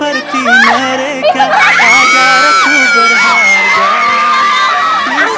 alhamdulillah haikal lagi di atas